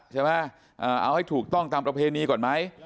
ใช่ไหมเอาให้ถูกต้องตามประเพณีก่อนไหม